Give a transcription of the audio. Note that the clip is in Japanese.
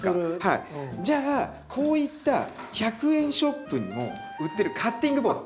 じゃあこういった１００円ショップにも売ってるカッティングボード。